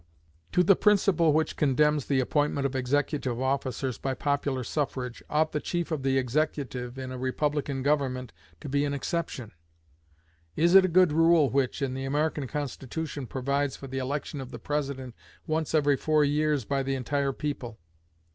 To the principle which condemns the appointment of executive officers by popular suffrage, ought the chief of the executive, in a republican government, to be an exception? Is it a good rule which, in the American Constitution, provides for the election of the President once in every four years by the entire people?